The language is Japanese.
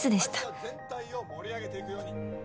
会社全体を盛り上げていくように。